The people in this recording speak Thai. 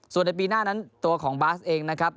ส่วนในปีหน้านั้นตัวของบาสเองนะครับ